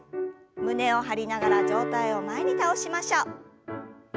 胸を張りながら上体を前に倒しましょう。